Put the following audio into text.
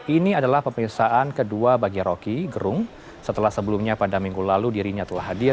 ini adalah pemirsaan kedua bagi rocky gerung setelah sebelumnya pada minggu lalu dirinya telah hadir